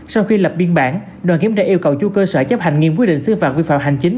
sau khi lập biên bản đoàn kiểm tra yêu cầu chú cơ sở chấp hành nghiêm quyết định xứ phạm vi phạm hành chính